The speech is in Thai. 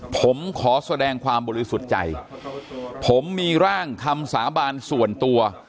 ผมขอแสดงความบริสุทธิ์ใจผมมีร่างคำสาบานส่วนตัว